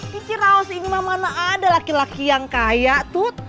kira kira ini mah mana ada laki laki yang kaya tut